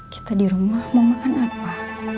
kita di rumah mau makan apa